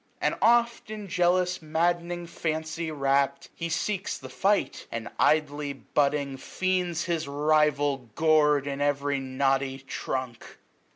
And oft, in jealous mad'ning fancy wrapt. He seeks the fight ; and, idly butting feigns His rival gor'd in ev'ry knotty trunk.